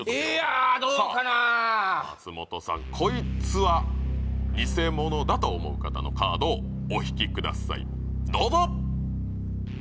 あどうかなさあ松本さんこいつはニセモノだと思う方のカードをお引きくださいどうぞ！